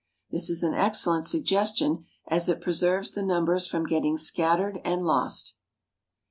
This is an excellent suggestion, as it preserves the numbers from getting scattered and lost.